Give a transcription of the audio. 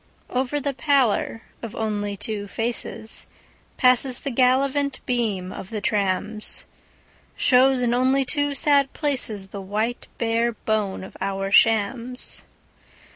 Over the pallor of only two facesPasses the gallivant beam of the trams; Shows in only two sad placesThe white bare bone of our shams.